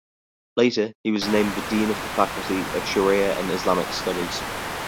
Later, he was named the dean of the faculty of "Shari'ah and Islamic Studies".